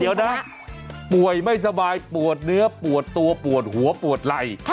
เดี๋ยวนะป่วยไม่สบายปวดเนื้อปวดตัวปวดหัวปวดไหล่